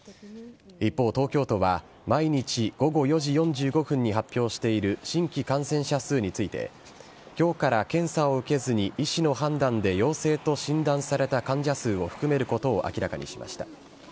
一方、東京都は毎日午後４時４５分に発表している新規感染者数について、きょうから検査を受けずに医師の判断で陽性と診断された患者数を含めることを明らかにしました。